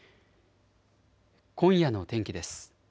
今夜の天気です。